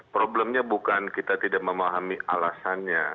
problemnya bukan kita tidak memahami alasannya